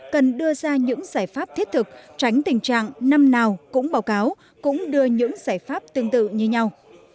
cần đưa ra những giải pháp thiết thực tránh tình trạng năm nào cũng báo cáo cũng đưa những giải pháp tương tự như nhau